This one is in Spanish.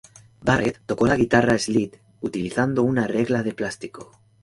Barrett tocó la guitarra slide utilizando una regla de plástico.